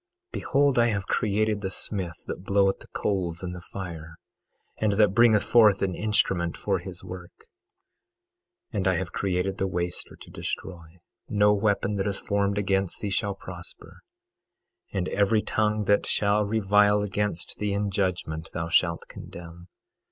22:16 Behold, I have created the smith that bloweth the coals in the fire, and that bringeth forth an instrument for his work; and I have created the waster to destroy. 22:17 No weapon that is formed against thee shall prosper; and every tongue that shall revile against thee in judgment thou shalt condemn.